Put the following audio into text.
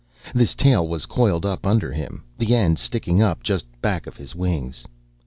This tail was coiled up under him, the end sticking up just back of his wings.